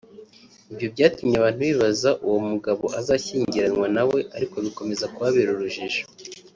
Ibi byatumye abantu bibaza uwo uyu mugabo azashyingiranywa nawe ariko bikomeza kubabera urujijo